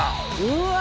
うわ。